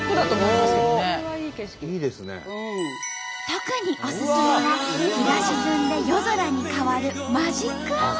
特におすすめが日が沈んで夜空に変わるマジックアワー。